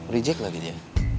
reject lagi dia